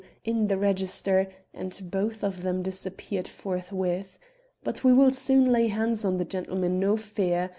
in the register, and both of them disappeared forthwith. But we will soon lay hands on the gentleman, no fear.